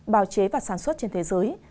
bào chế và sản xuất trên thế giới